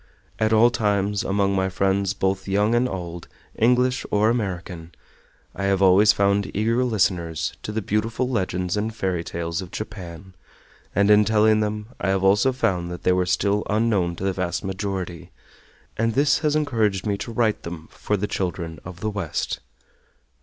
At all times, among my friends, both young and old, English or American, I have always found eager listeners to the beautiful legends and fairy tales of Japan, and in telling them I have also found that they were still unknown to the vast majority, and this has encouraged me to write them for the children of the West.